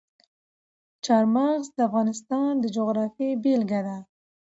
چار مغز د افغانستان د جغرافیې بېلګه ده.